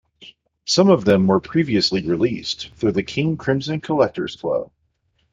Some of them were previously released through the King Crimson Collectors Club.